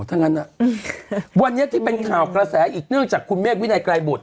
ทั้งนั้นวันนี้ที่เป็นข่าวกระแสอีกเนื่องจากคุณเมฆวินัยไกรบุตร